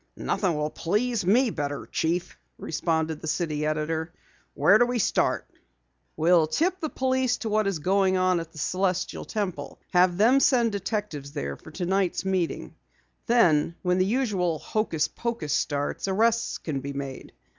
"Nothing will please me better, Chief," responded the city editor. "Where do we start?" "We'll tip the police to what is going on at the Celestial Temple. Have them send detectives there for tonight's meeting. Then when the usual hocus pocus starts, arrests can be made.